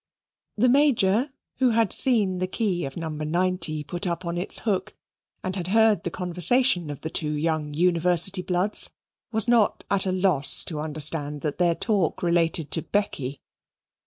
The Major, who had seen the key of No. 90 put up on its hook and had heard the conversation of the two young University bloods, was not at a loss to understand that their talk related to Becky.